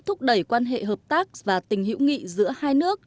thúc đẩy quan hệ hợp tác và tình hữu nghị giữa hai nước